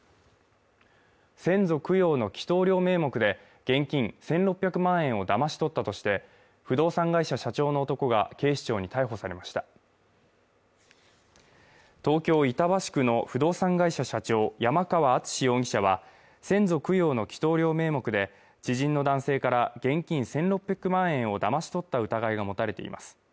先祖供養の祈祷料名目で現金１６００万円をだまし取ったとして不動産会社社長の男が警視庁に逮捕されました東京・板橋区の不動産会社社長山川淳容疑者は先祖供養の祈祷料名目で知人の男性から現金１６００万円をだまし取った疑いが持たれています